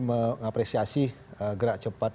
mengapresiasi gerak cepat